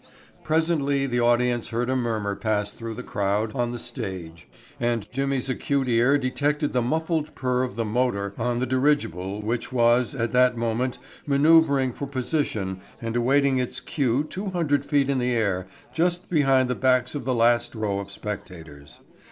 Presently the audience heard a murmur pass through the crowd on the stage and Jimmy's acute ear detected the muffled purr of the motor on the dirigible which was, at that moment, manoeuvering for position and awaiting its cue two hundred feet in the air just behind the backs of the last row of spectators.